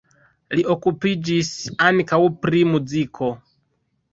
Li okupiĝis ankaŭ pri muziko.